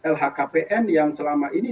lhkpn yang selama ini